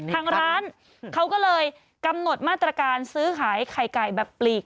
ทางร้านเขาก็เลยกำหนดมาตรการซื้อขายไข่ไก่แบบปลีก